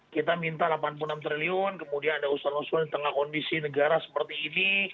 kita minta delapan puluh enam triliun kemudian ada usaha usaha di tengah kondisi negara seperti ini